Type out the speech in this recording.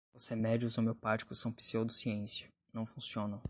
Os remédios homeopáticos são pseudociência: não funcionam